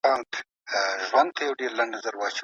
څېړنه د پوهې کچه لوړوي.